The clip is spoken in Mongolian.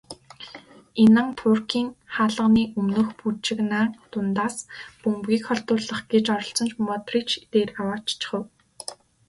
Инан Туркийн хаалганы өмнөх бужигнаан дундаас бөмбөгийг холдуулах гэж оролдсон ч Модрич дээр авааччихав.